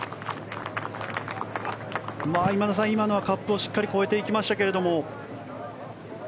今田さん、今のはカップを越えていきましたけれども。